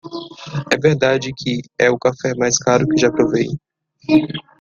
É verdade que? é o café mais caro que já provei.